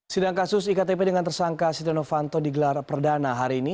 sidang kasus iktp dengan tersangka setia novanto digelar perdana hari ini